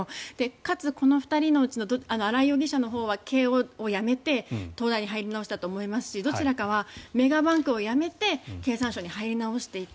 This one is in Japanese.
かつ、この２人のうち新井容疑者のほうは慶応を辞めて東大に入り直したと思いますしどちらかはメガバンクを辞めて経産省に入り直していた。